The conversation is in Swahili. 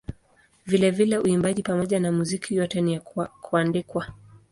Vilevile uimbaji pamoja na muziki yote ni ya kuandikwa.